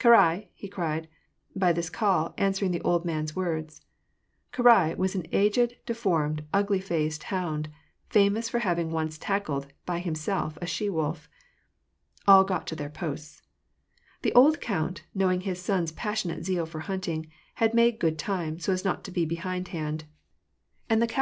Karai !" he cried ; by this call answering the old man's words. Karai was an aged, deformed, ugly faced hound, famous for having cmoe tackled by himself a she wolf. All got to their posts. The old count, knowing his son's passionate zeal for hunting, had made good time, so as not to be behindhand \ and the caval WAR AND PEACE.